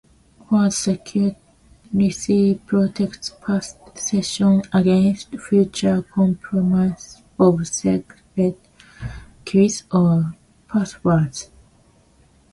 Forward secrecy protects past sessions against future compromises of secret keys or passwords.